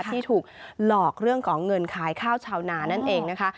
ที่ถูกหลอกเรื่องของเงินขายข้าวชาวนานั่นเองนะคะ